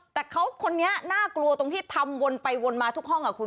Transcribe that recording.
แต่เขาคนนี้น่ากลัวตรงที่ทำวนไปวนมาทุกห้องอ่ะคุณ